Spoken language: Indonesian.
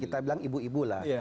kita bilang ibu ibu lah